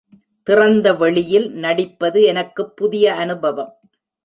திறந்த வெளியில் நடிப்பது எனக்குப் புதிய அனுபவம்.